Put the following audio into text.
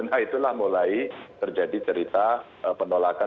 nah itulah mulai terjadi cerita penolakan